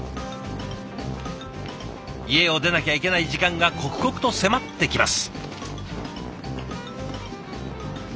家を出なきゃいけない時間が刻々と迫ってきます。